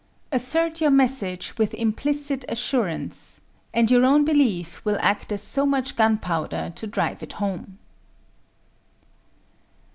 Assert your message with implicit assurance, and your own belief will act as so much gunpowder to drive it home.